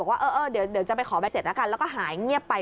บอกว่าเดี๋ยวจะไปขอใบเสร็จแล้วก็หายเงียบไป